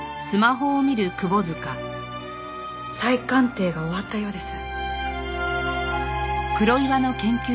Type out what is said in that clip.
再鑑定が終わったようです。